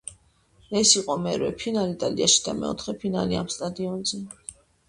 ეს იყო მერვე ფინალი იტალიაში და მეოთხე ფინალი ამ სტადიონზე.